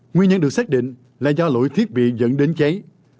nguyên nhân được xác định là do lỗi thiết bị dẫn đến cháy